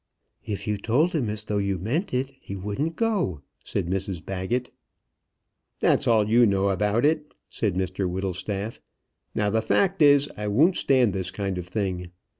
"If you told him as though you meant it, he wouldn't go," said Mrs Baggett. "That's all you know about it," said Mr Whittlestaff. "Now the fact is, I won't stand this kind of thing.